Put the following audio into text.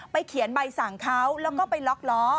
เขียนใบสั่งเขาแล้วก็ไปล็อกล้อ